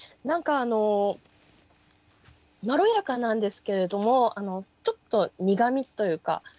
何かあのまろやかなんですけれどもちょっと苦みというか